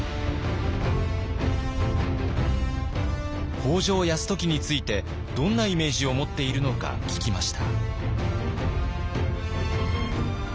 北条泰時についてどんなイメージを持っているのか聞きました。